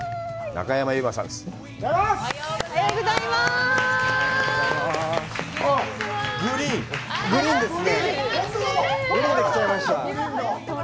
中山優馬さんです。